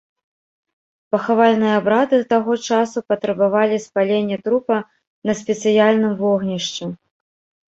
Пахавальныя абрады таго часу патрабавалі спалення трупа на спецыяльным вогнішчы.